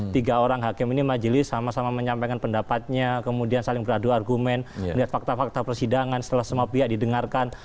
tiga orang hakim ini majelis sama sama menyampaikan pendapatnya kemudian saling beradu argumen melihat fakta fakta persidangan setelah semua pihak didengarkan